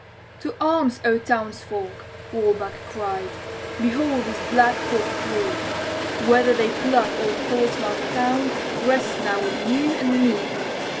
"To arms, O townsfolk!" Walbach cried, "Behold these black hawk three! Whether they pluck old Portsmouth town rests now with you and me.